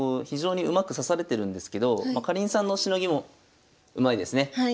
非常にうまく指されてるんですけどかりんさんのしのぎもうまいですね。